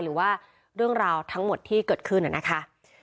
หรือว่าเรื่องราวทั้งหมดที่เกิดขึ้นนะคะ